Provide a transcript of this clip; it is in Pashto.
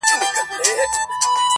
پر نور څه انا نه سوم، پر خوشيو انا سوم.